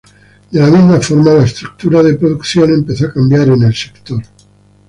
De la misma forma, la estructura de producción empezó a cambiar en el sector.